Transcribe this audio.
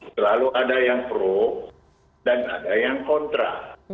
selalu ada yang pro dan ada yang kontra